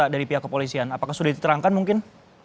dari pihak kepolisian apakah sudah diterangkan mungkin